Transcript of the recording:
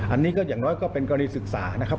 อันนี้ก็อย่างน้อยก็เป็นกรณีศึกษานะครับ